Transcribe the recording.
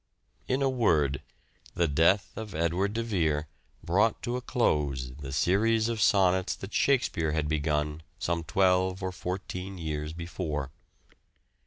In a word, the death of Edward de Vere brought to a close the series of sonnets that "Shakespeare" had begun some twelve or fourteen years before.